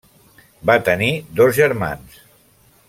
Va tenir dos germans.